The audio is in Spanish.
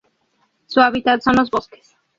Su hábitat son los bosques.